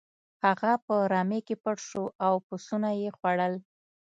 هغه په رمې کې پټ شو او پسونه یې خوړل.